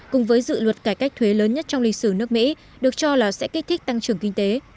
cùng với dự luật cải cách thuế lớn nhất trong lịch sử nước mỹ được cho là sẽ kích thích tăng trưởng kinh tế